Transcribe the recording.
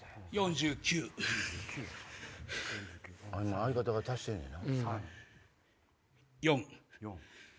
相方が足してんねんな。